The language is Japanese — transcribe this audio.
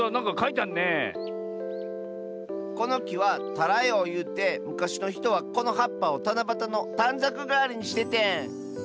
このきは「タラヨウ」ゆうてむかしのひとはこのはっぱをたなばたのたんざくがわりにしててん。